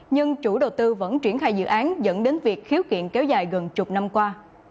nhưng chủ đầu tư vẫn triển khai dự án dẫn đến việc khiếu kiện kéo dài gần chục năm qua